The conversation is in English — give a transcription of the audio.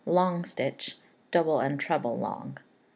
long stitch; Double and treble long.